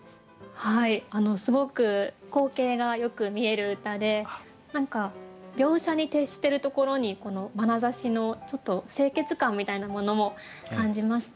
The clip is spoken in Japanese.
すごく光景がよく見える歌で何か描写に徹してるところにこのまなざしのちょっと清潔感みたいなものも感じました。